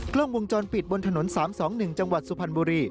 เครื่องวงจรปิดบนถนนสามสองหนึ่งจังหวัดสุพรรณบุรี